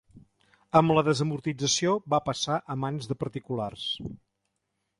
Amb la desamortització va passar a mans de particulars.